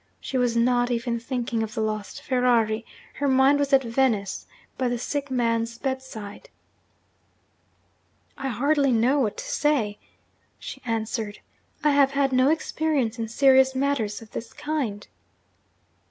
She was not even thinking of the lost Ferrari; her mind was at Venice, by the sick man's bedside. 'I hardly know what to say,' she answered. 'I have had no experience in serious matters of this kind.'